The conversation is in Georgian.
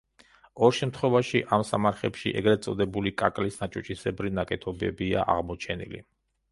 ორ შემთხვევაში ამ სამარხებში ეგრედ წოდებული კაკლის ნაჭუჭისებრი ნაკეთობებია აღმოჩენილი.